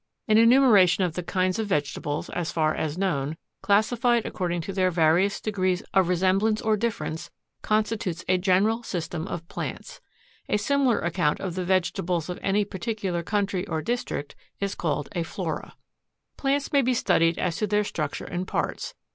An enumeration of the kinds of vegetables, as far as known, classified according to their various degrees of resemblance or difference, constitutes a general System of plants. A similar account of the vegetables of any particular country or district is called a Flora. 3. Plants may be studied as to their structure and parts.